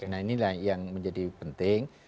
nah inilah yang menjadi penting